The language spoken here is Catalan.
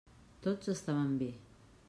Tots estaven bé.